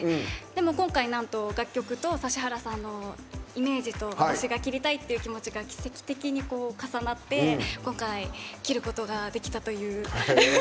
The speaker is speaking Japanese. でも、今回なんと楽曲と指原さんのイメージと、私が切りたいっていう気持ちが奇跡的に重なって今回、切ることができたという。